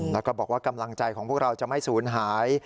แล้วก็บอกว่ากำลังใจของพวกเราจะไม่สูญหาย